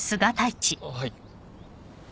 あっはい。